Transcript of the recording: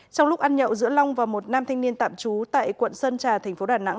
trong lúc ăn nhậu giữa long và một nam thanh niên tạm trú tại quận sơn trà thành phố đà nẵng